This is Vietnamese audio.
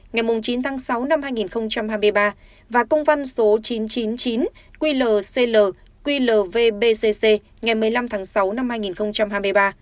ngày chín tháng sáu năm hai nghìn hai mươi ba và công văn số chín trăm chín mươi chín qlclqbc ngày một mươi năm tháng sáu năm hai nghìn hai mươi ba